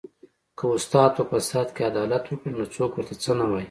که استاد په فساد کې عدالت وکړي نو څوک ورته څه نه وايي